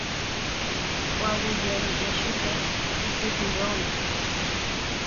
Oaguyjeme'ẽ chupe ipytyvõre.